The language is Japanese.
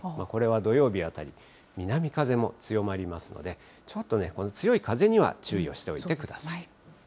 これは土曜日あたり、南風も強まりますので、ちょっと強い風には注意をしておいてください。